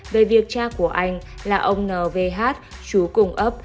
về việc cha của anh là ông nvh chú cùng ấp